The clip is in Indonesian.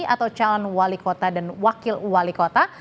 atau calon wali kota dan wakil wali kota